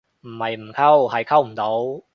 唔係唔溝，係溝唔到